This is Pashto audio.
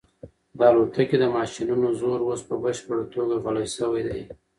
د الوتکې د ماشینونو زور اوس په بشپړه توګه غلی شوی دی.